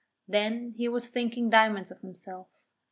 Then he was thinking diamonds of himself.